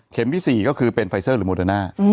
เข็มที่๔ก็คือเป็นไฟเซอร์โมเดน่า